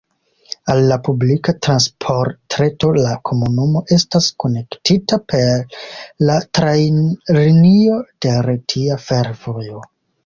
Al la publika transportreto la komunumo estas konektita per la trajnlinio de Retia Fervojo.